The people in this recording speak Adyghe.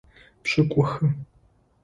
Пшӏыкӏухы.